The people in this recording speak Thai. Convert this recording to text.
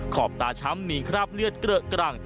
ขอบตาช้ำมีคราบเลือดเกลอะกรัง